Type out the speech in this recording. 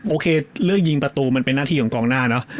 โอเคเรื่องยิงประตูมันเป็นหน้าที่ของกองหน้าเนอะ